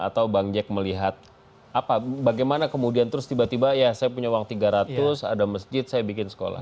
atau bang jack melihat apa bagaimana kemudian terus tiba tiba ya saya punya uang tiga ratus ada masjid saya bikin sekolah